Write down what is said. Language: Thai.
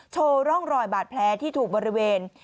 โชว์ร่องรอยบาดแผลที่ถูกบริเวณ